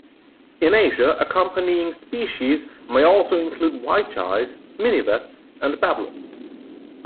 In Asia, accompanying species may also include white-eyes, minivets and babblers.